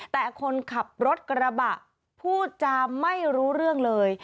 แต่คนขับรถกระบะพูดจาไม่รู้เรื่องเลย